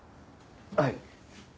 はい。